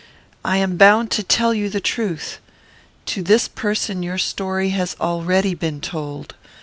I am bound to tell you the truth. To this person your story has already been told.